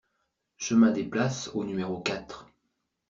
Chemin des Places au numéro quatre